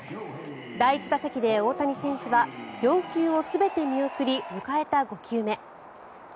第１打席で大谷選手は４球全て見送り、迎えた５球目。